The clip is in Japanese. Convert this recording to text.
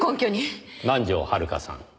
南条遥さん。